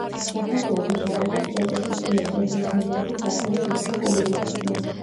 საქართველოს მთავრობას პროტესტის ღია წერილით მიმართეს ასევე რუსმა კომუნისტებმა.